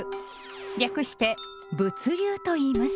略して「物流」といいます。